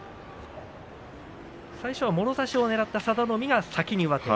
最初もろ差しをねらった佐田の海が先に上手。